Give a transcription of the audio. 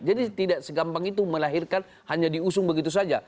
jadi tidak segampang itu melahirkan hanya diusung begitu saja